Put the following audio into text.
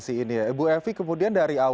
kami sudah melakukan pengumuman di rumah